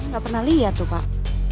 gak pernah liat pak